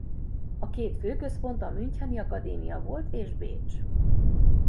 A két fő központ a müncheni akadémia volt és Bécs.